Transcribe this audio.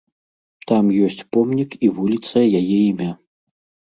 Там ёсць помнік і вуліца яе імя.